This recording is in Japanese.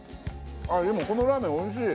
でもこのラーメンおいしい。